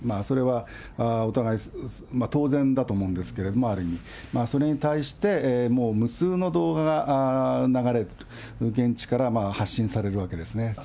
それはお互い当然だと思うんですけれども、ある意味、それに対して、もう無数の動画が流れる、現地から発信されるわけですね。